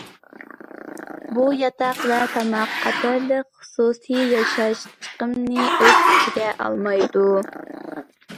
بۇ ياتاق ۋە تاماق قاتارلىق خۇسۇسىي ياشاش چىقىمىنى ئۆز ئىچىگە ئالمايدۇ.